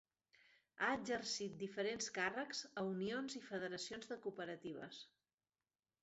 Ha exercit diferents càrrecs a unions i federacions de cooperatives.